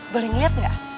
boleh ngeliat nggak